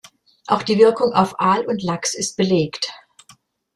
Auch die Wirkung auf Aal und Lachs ist belegt.